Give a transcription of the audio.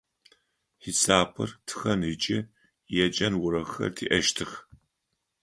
Хьисапыр, тхэн ыкӏи еджэн урокхэр тиӏэщтых.